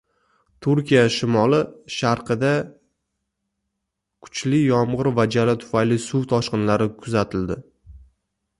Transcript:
Turkiya shimoli-sharqida kuchli yomg‘ir va jala tufayli suv toshqinlari kuzatildi